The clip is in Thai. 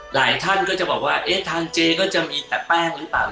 หลายท่านก็จะบอกว่าเอ๊ะทานเจก็จะมีแต่แป้งหรือเปล่า